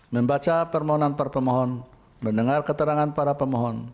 membaca permohonan per pemohon mendengar keterangan para pemohon